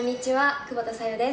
久保田紗友です。